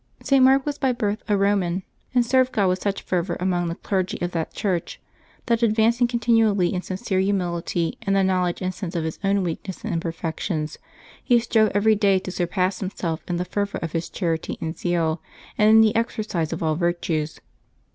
[t. Mark was by birth a Eoman, and served God with such fervor among the clergy of that Church, that, advancing continually in sincere humility and the knowl edge and sense of his own weakness and imperfections, he strove every day to surpass himself in the fervor of his charity and zeal, and in the exercise of all virtues.